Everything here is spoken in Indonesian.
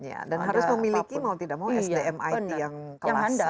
ya dan harus memiliki mau tidak sdm it yang kelas ya pak